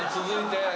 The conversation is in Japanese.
続いて。